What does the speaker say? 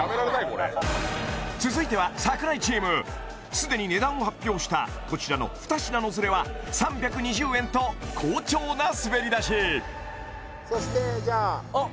これ続いては櫻井チームすでに値段を発表したこちらの２品のズレは３２０円と好調な滑り出しそしてじゃああっ